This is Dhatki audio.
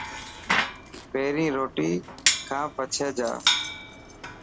پهرين روٽي کا پڇي جا.